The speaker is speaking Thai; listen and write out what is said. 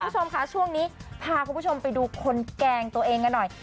คุณผู้ชมค่ะช่วงนี้พาคุณผู้ชมไปดูคนแกล้งตัวเองกันหน่อย